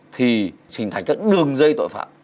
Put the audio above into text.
thì trình thành các đường dây tội phạm